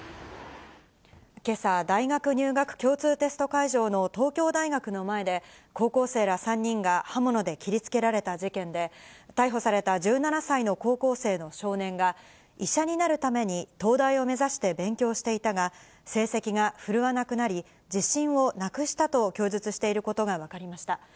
けさ、大学入学共通テスト会場の東京大学の前で、高校生ら３人が刃物で切りつけられた事件で、逮捕された１７歳の高校生の少年が、医者になるために東大を目指して勉強していたが、成績が振るわなくなり、自信をなくしたと供述していることが分かりました。